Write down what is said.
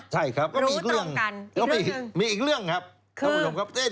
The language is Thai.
ใช่ครับมีอีกเรื่องครับอะไรเป็นอีกเรื่องนึง